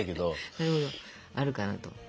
なるほどあるかなと。